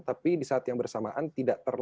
tapi di saat yang bersamaan tidak akan terjadi